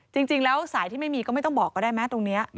จริงแล้วสายที่ไม่มีก็ไม่ต้องบอกก็ได้ไหมตรงนี้